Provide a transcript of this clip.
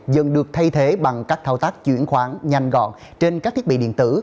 dần được thay thế bằng các thao tác chuyển khoản nhanh gọn trên các thiết bị điện tử